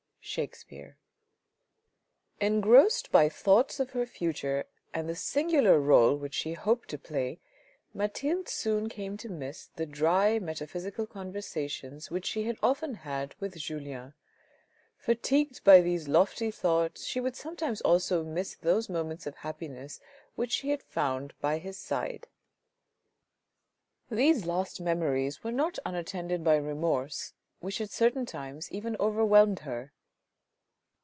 — Shakespeare. Engrossed by thoughts of her future and the singular role which she hoped to play, Mathilde soon came to miss the dry metaphysical conversations which she had often had with Julien. Fatigued by these lofty thoughts she would sometimes also miss those moments of happiness which she had found by his side ; these last memories were not unattended by remorse which at certain times even overwhelmed her.